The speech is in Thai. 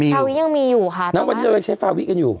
ฟาวิตยังมีอยู่ค่ะแต่ว่าแล้ววันนี้เรายังใช้ฟาวิตกันอยู่